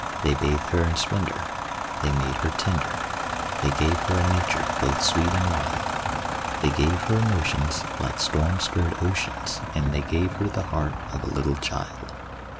They bathed her in splendour, They made her tender, They gave her a nature both sweet and wild; They gave her emotions like storm stirred oceans, And they gave her the heart of a little child.